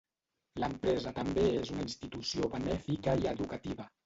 L'empresa també és una institució benèfica i educativa.